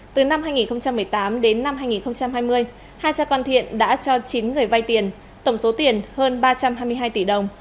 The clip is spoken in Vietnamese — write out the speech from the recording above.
từ năm hai nghìn một mươi tám đến năm hai nghìn hai mươi hai cha con thiện đã cho chín người vay tiền tổng số tiền hơn ba trăm hai mươi hai tỷ đồng